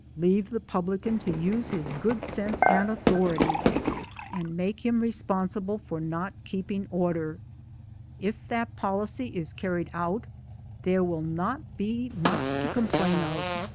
Leave the publican to use his good sense and authority, and make him ! 3 oo MY DAYS AND DREAMS responsible for not keeping order. If that policy is carried out there will not be much to complain of.